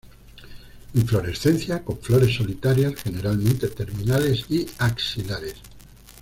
Inflorescencia con flores solitarias, generalmente terminales y axilares.